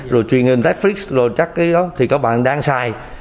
rồi truyền hình tới netflix rồi chắc cái đó thì các bạn đang xài